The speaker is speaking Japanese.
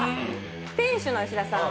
店主の吉田さん